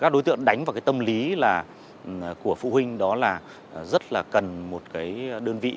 các đối tượng đánh vào tâm lý của phụ huynh đó là rất là cần một đơn vị